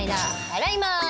払います。